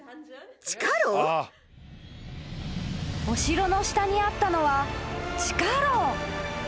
［お城の下にあったのは地下牢］